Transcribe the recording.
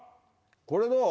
これどう？